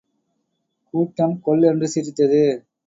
கூட்டம் கொல் என்று சிரித்தது.